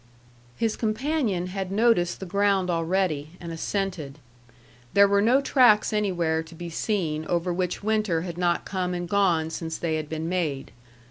His companion had noticed the ground already, and assented. There were no tracks anywhere to be seen over which winter had not come and gone since they had been made.